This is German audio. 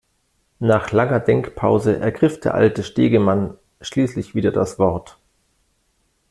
Nach langer Denkpause ergriff der alte Stegemann schließlich wieder das Wort.